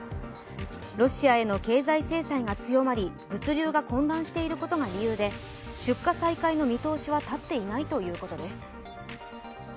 ロシアへの経済制裁が強まり物流が混乱していることが理由で出荷再開の見通しは立っていないということです。